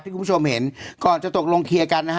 คุณผู้ชมเห็นก่อนจะตกลงเคลียร์กันนะฮะ